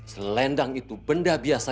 selendang itu benda biasa